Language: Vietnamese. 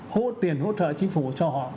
hốt tiền hỗ trợ chính phủ cho họ